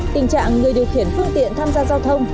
tình trạng người điều khiển phương tiện tham gia giao thông